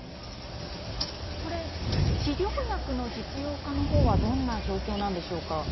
これ治療薬の実用化のほうはどんな状況なんでしょうか。